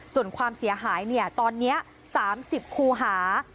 ส่วนความเสียหายเนี่ยตอนเนี้ยสามสิบครูหา